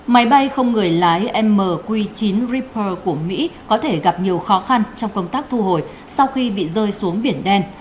máy bay không người lái mq chín repor của mỹ có thể gặp nhiều khó khăn trong công tác thu hồi sau khi bị rơi xuống biển đen